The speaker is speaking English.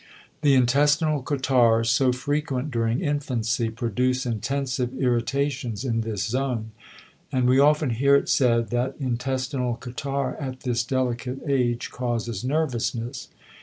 The intestinal catarrhs so frequent during infancy produce intensive irritations in this zone, and we often hear it said that intestinal catarrh at this delicate age causes "nervousness."